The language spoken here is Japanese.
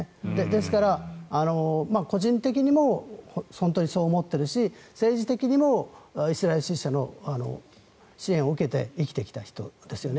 ですから、個人的にも本当にそう思っているし政治的にもイスラエル支持者の支援を受けて生きてきた人ですよね。